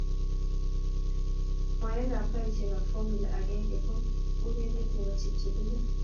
Ng'waekab karishekab fomula agenge ko urerieet nebo chepchepindo